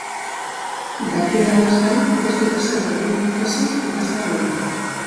Dakidanaz gain ez dut ezer berririk ikasi ikastaro honekin.